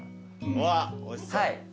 うわっおいしそう。